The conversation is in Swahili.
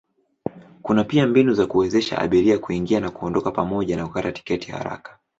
Kuna pia mbinu za kuwezesha abiria kuingia na kuondoka pamoja na kukata tiketi haraka.